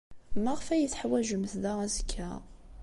Maɣef ay iyi-teḥwajemt da azekka?